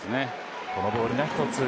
このボールが１つ。